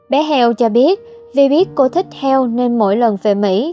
bé heo cho biết vì biết cô thích heo nên mỗi lần về mỹ